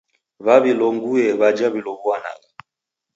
W'awilonguye w'aja w'ilow'uanagha.